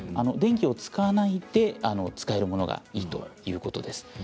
電気を使わないで使えるものがいいということです。